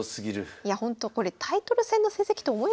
いやほんとこれタイトル戦の成績と思えないですよね。